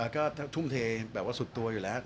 ก็ทุ่มเทแบบว่าสุดตัวอยู่แล้ว